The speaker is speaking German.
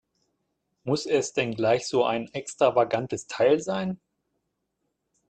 Muss es denn gleich so ein extravagantes Teil sein?